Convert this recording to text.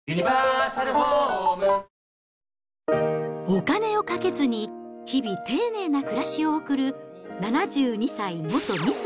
お金をかけずに日々、丁寧な暮らしを送る７２歳、元ミス